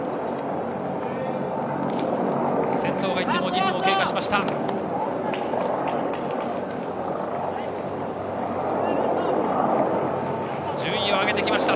先頭が行って２分を経過しました。